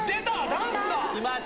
ダンスだ。